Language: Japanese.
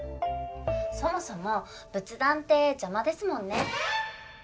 そもそも仏壇って邪魔ですもんね。